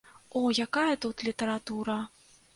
О, якая тут літаратура!